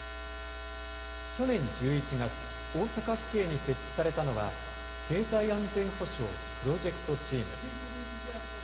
去年１１月、大阪府警に設置されたのは、経済安全保障プロジェクトチーム。